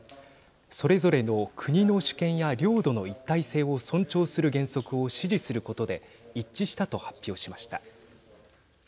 それぞれの国の主権や領土の一体性を尊重する原則を支持することで一致したと発表しました。